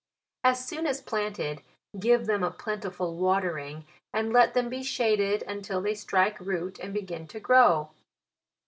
As soon as plant ed, give them a plentiful watering, and let them be shaded until they strike root and be gin to grow.